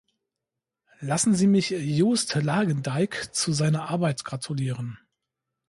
Lassen Sie mich Joost Lagendijk zu seiner Arbeit gratulieren.